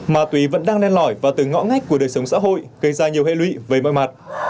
ma túy vẫn đang lên lõi và từ ngõ ngách của đời sống xã hội gây ra nhiều hệ lụy với mọi mặt